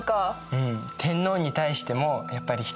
うん。